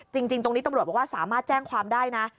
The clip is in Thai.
จริงตรงนี้ตำรวจบอกว่าสามารถแจ้งความได้นะ